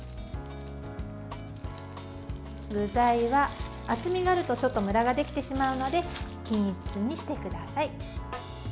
具材は厚みがあるとムラができてしまうので均一にしてください。